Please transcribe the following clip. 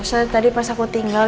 saya tadi pas aku tinggal